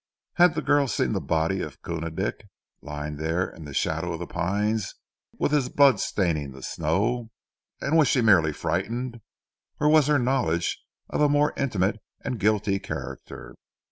Had the girl seen the body of Koona Dick lying there in the shadow of the pines with his blood staining the snow, and was she merely frightened; or was her knowledge of a more intimate and guilty character?